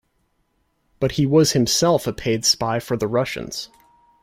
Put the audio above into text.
But he was himself a paid spy for the Russians.